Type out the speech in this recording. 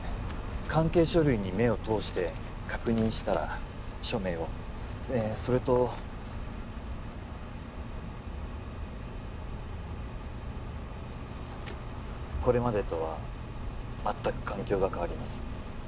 関係書類に目を通して確認したら署名をえそれとこれまでとは全く環境が変わります